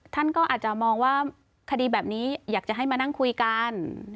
ท่านก็อาจจะมองว่าคดีแบบนี้อยากจะให้มานั่งคุยกัน